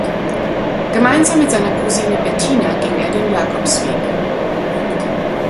Gemeinsam mit seiner Cousine Bettina ging er den Jakobsweg.